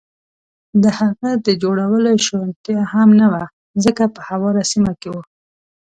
د هغه د جوړولو شونتیا هم نه وه، ځکه په هواره سیمه کې و.